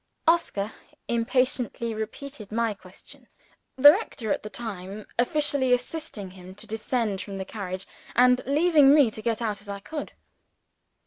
Oscar impatiently repeated my question; the rector, at the time, officiously assisting him to descend from the carriage, and leaving me to get out as I could.